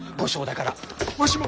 わしも！